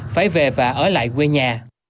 phải về và ở lại quê nhà